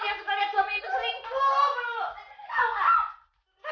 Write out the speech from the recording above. tanya lagi kenapa suami itu seringkup lu